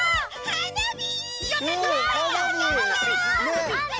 はなび！？